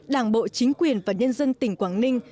đảng bộ chính quyền và nhân dân tỉnh quảng ninh